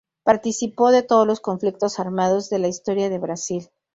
Participó de todos los conflictos armados de la Historia de Brasil.